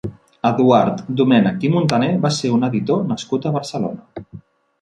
Eduard Domènech i Montaner va ser un editor nascut a Barcelona.